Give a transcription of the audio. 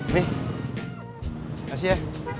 nih kasih ya